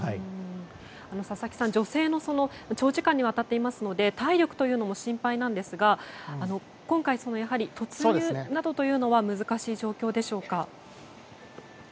佐々木さん、女性も長時間にわたっていますので体力というのも心配なんですが今回、突入などというのは難しい状況なのでしょうか。